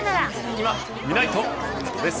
いま、みないと今湊です。